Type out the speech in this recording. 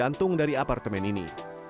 jantung dari apartemen ini